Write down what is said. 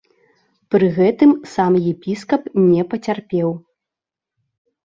Пры гэтым сам епіскап не пацярпеў.